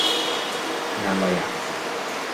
งานไรอะ